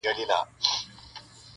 ښه پوهېږمه غمی له ده سره دی,